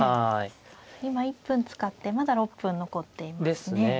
今１分使ってまだ６分残っていますね。ですね。